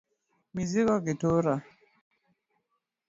Mizigo gi tura